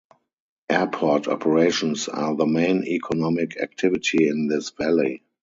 Airport operations are the main economic activity in this valley.